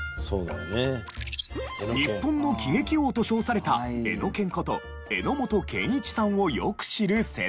日本の喜劇王と称されたエノケンこと榎本健一さんをよく知る世代。